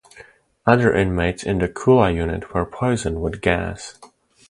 Other inmates in the Kula unit were poisoned with gas.